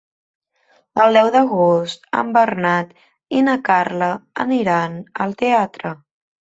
El deu d'agost en Bernat i na Carla aniran al teatre.